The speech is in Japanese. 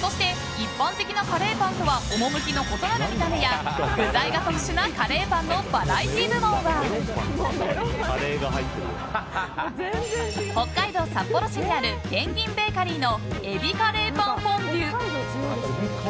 そして、一般的なカレーパンとは趣の異なる見た目や具材が特殊なカレーパンのバラエティー部門は北海道札幌市にあるペンギンベーカリーの海老カレーパンフォンデュ。